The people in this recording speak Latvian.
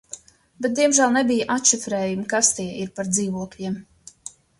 Bet diemžēl nebija atšifrējuma, kas tie ir par dzīvokļiem.